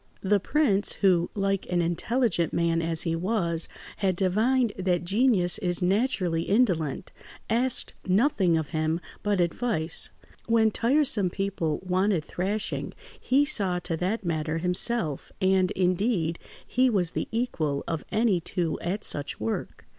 The prince, who, like an intelligent man as he was, had divined that genius is naturally indolent, asked nothing of him but advice; when tiresome people wanted thrashing, he saw to that matter himself, and, indeed, he was the equal of any two at such work.